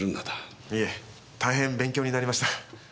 いえ大変勉強になりました。